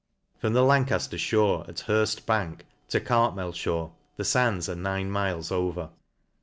From the' Lancafler fhore at Her ft bank, to Cartmel fhore^ the fands are nine miles over.